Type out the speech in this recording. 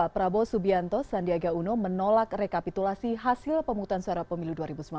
prabowo subianto sandiaga uno menolak rekapitulasi hasil pemutusan suara pemilu dua ribu sembilan belas